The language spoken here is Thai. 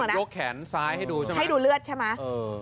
พอกแขนซ้ายให้ดูให้ดูเลือดใช่มั้ย